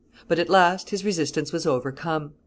But at last his resistance was overcome.